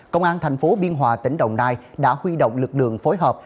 công an tp biên hòa tỉnh đồng nai đã huy động lực lượng phối hợp